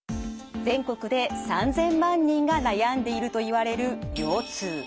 全国で３，０００万人が悩んでいるといわれる腰痛。